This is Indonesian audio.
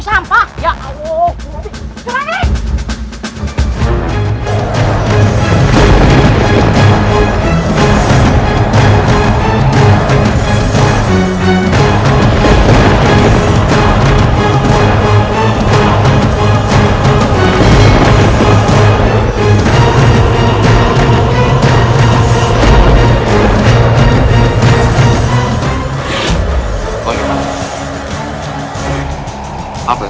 selasi selasi bangun